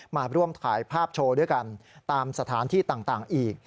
มาร่วมถ่ายภาพโชว์ด้วยกันตามสถานที่ต่างอีก